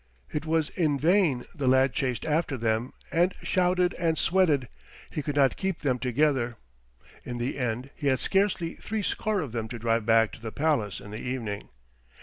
It was in vain the lad chased after them and shouted and sweated; he could not keep them together. In the end he had scarcely threescore of them to drive back to the palace in the evening.